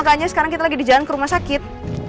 makanya sekarang kita lagi di jalan ke rumah sakit